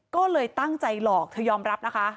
ก็เลยตั้งใจหลอกเธอยอมรับนะคะ